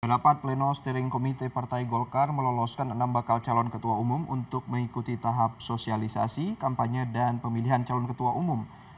rapat pleno steering komite partai golkar meloloskan enam bakal calon ketua umum untuk mengikuti tahap sosialisasi kampanye dan pemilihan calon ketua umum